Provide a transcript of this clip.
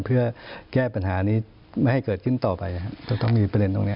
เพื่อแก้ปัญหานี้ไม่ให้เกิดขึ้นต่อไปจะต้องมีประเด็นตรงนี้